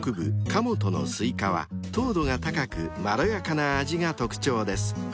鹿本のスイカは糖度が高くまろやかな味が特徴です］